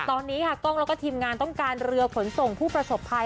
ตอนนี้ค่ะกล้องแล้วก็ทีมงานต้องการเรือขนส่งผู้ประสบภัย